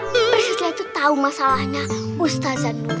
priscila tuh tau masalahnya ustazah nurul